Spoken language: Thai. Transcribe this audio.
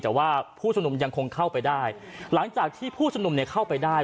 แต่ว่าผู้ชุมนุมยังคงเข้าไปได้หลังจากที่ผู้ชุมนุมเนี่ยเข้าไปได้